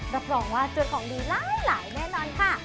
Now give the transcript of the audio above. รับรองว่าเจอของดีหลายแน่นอนค่ะ